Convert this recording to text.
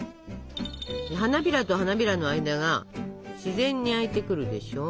花びらと花びらの間が自然に開いてくるでしょ。